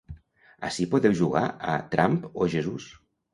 Ací podeu jugar a ‘Trump or Jesus’